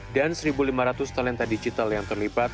dan satu lima ratus talenta digital yang terlibat